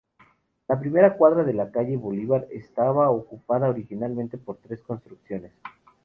La primera cuadra de la calle Bolívar estaba ocupada originalmente por tres construcciones.